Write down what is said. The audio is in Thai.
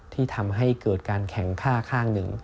ที่ทำให้เกิดการแข็งค่าข้างหนึ่ง